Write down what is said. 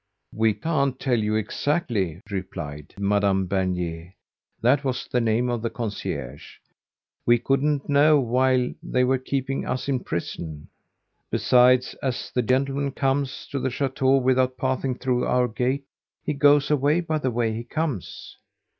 "We can't tell you exactly," replied Madame Bernier that was the name of the concierge "we couldn't know while they were keeping us in prison. Besides, as the gentleman comes to the chateau without passing through our gate he goes away by the way he comes."